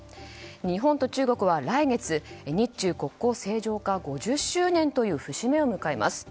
日本と中国は来月、日中国交正常化５０周年という節目を迎えます。